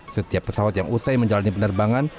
setiap pesawat yang usai menjalani penerbangan